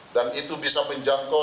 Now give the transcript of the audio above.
dan itu bisa menjangkau